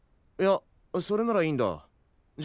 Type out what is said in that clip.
いやそれならいいんだ。